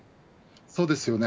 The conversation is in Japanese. そうですよね。